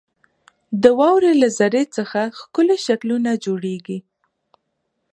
• د واورې له ذرې څخه ښکلي شکلونه جوړېږي.